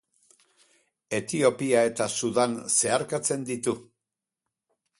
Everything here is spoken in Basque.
Etiopia eta Sudan zeharkatzen ditu.